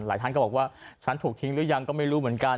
ท่านก็บอกว่าฉันถูกทิ้งหรือยังก็ไม่รู้เหมือนกัน